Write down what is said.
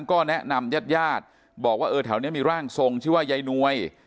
ก็แนะนำญาติญาติบอกว่าเออแถวนี้มีร่างทรงชื่อว่ายายนวย